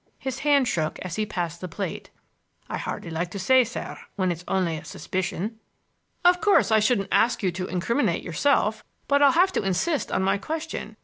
His hand shook as he passed the plate. "I hardly like to say, sir, when it's only a suspicion." "Of course I shouldn't ask you to incriminate yourself, but I'll have to insist on my question.